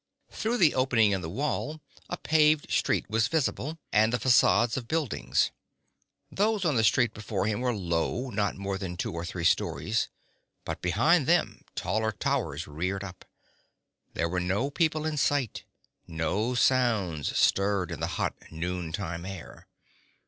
Through the opening in the wall a paved street was visible, and the facades of buildings. Those on the street before him were low, not more than one or two stories, but behind them taller towers reared up. There were no people in sight; no sounds stirred the hot noon time air.